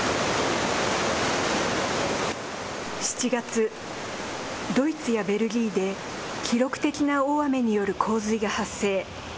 ７月、ドイツやベルギーで記録的な大雨による洪水が発生。